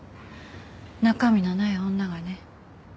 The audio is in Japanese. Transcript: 中身のない女がね。